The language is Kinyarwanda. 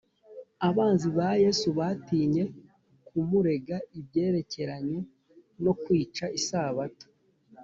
abanzi ba yesu batinye kumurega ibyerekeranye no kwica isabato,